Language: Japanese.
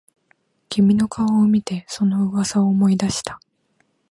君の顔を見てその噂を思い出した